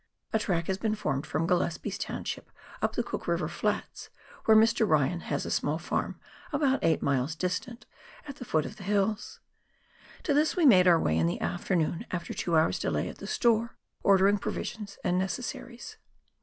A track has been formed from Gillespies township up to Cook River flats, where Mr. Ryan has a small farm, about eight miles distant, at the foot of the hills ; to this we made our way in the afternoon, after two hours' delay at the store, ordering provisions and necessaries.